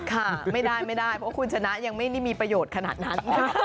ค่ะไม่ได้เพราะคุณชนะยังไม่มีประโยชน์ขนาดนั้น